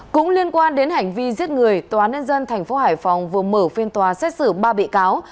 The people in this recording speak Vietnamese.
cũng liên quan đến hành vi giết người tòa án nhân dân tp hải phòng vừa mở phiên tòa xét xử ba bị cáo